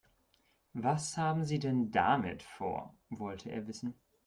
"Was haben Sie denn damit vor?", wollte er wissen.